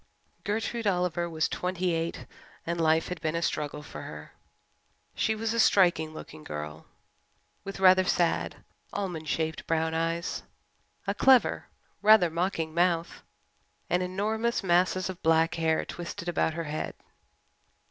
Gertrude Oliver was twenty eight and life had been a struggle for her. She was a striking looking girl, with rather sad, almond shaped brown eyes, a clever, rather mocking mouth, and enormous masses of black hair twisted about her head.